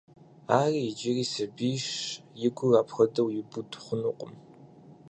Ар иджыри сабийщ, и гур апхуэдэу ибуд хъунукъым.